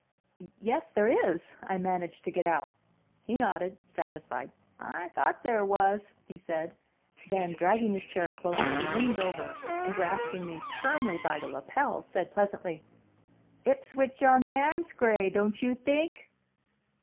"Yes, there is," I managed to get out. He nodded, satisfied. "I thought there was," he said. Then, dragging his chair closer, he leaned over and, grasping me firmly by the lapels, said pleasently, "Ipswitch on the amscray, don't you think?"